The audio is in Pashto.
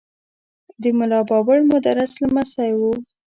د ملا بابړ مدرس لمسی و.